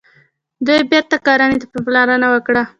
دوی بیرته کرنې ته پاملرنه وکړه.